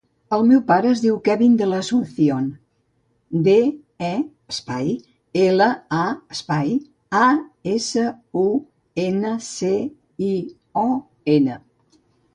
El meu pare es diu Kevin De La Asuncion: de, e, espai, ela, a, espai, a, essa, u, ena, ce, i, o, ena.